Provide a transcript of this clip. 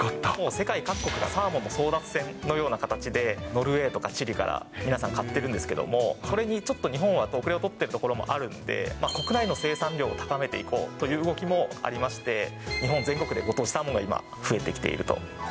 世界各国がサーモンの争奪戦のような形で、ノルウェーとかチリから皆さん買ってるんですけども、これにちょっと日本は後れを取ってるところもあるんで、国内の生産量を高めていこうという動きもありまして、日本全国でご当地サーモンが今、増えてきていると。